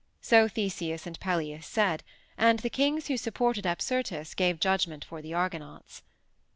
So Theseus and Peleus said, and the kings who supported Apsyrtus gave judgment for the Argonauts.